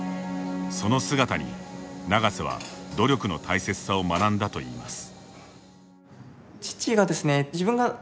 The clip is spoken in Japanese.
その姿に、永瀬は努力の大切さを学んだといいます。